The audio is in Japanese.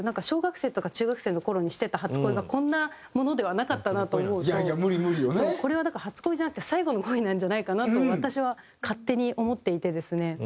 小学生とか中学生の頃にしてた初恋がこんなものではなかったなと思うとこれはだから初恋じゃなくて最後の恋なんじゃないかなと私は勝手に思っていてですね。